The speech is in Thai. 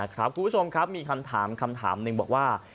คุณผู้ชมครับมีคำถามคำถามหนึ่งบอกว่า